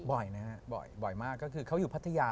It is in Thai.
บ่อยมากก็คือเขาอยู่พัทยา